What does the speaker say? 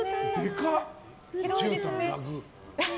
でかっ、じゅうたん、ラグ。